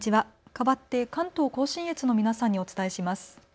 かわって関東甲信越の皆さんにお伝えします。